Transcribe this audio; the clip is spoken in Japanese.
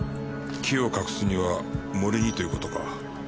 「木を隠すには森に」という事か。